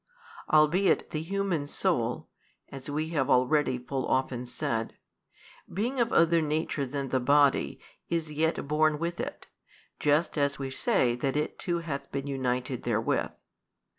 albeit the human soul (as we have already full often said) being of other nature than the body, is yet born with it, just as we say that it too has been united therewith.